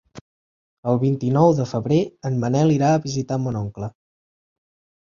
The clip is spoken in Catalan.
El vint-i-nou de febrer en Manel irà a visitar mon oncle.